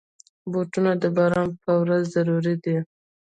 بوټونه د باران پر ورځ ضروري دي.